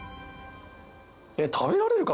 食べられるか？